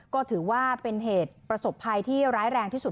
ก็ถือว่าเป็นเหตุประสบภัยที่ร้ายแรงที่สุด